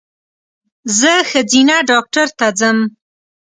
زه ښځېنه ډاکټر ته ځم